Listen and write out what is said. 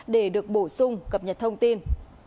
để được bổ sung cập nhật thông tin